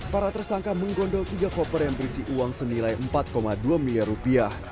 para tersangka menggondol tiga koper yang berisi uang senilai empat dua miliar rupiah